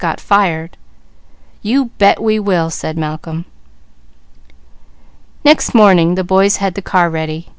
"You bet we will!" said Malcolm. Next morning the boys had the car ready.